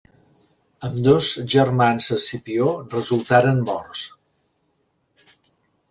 Ambdós germans Escipió resultaren morts.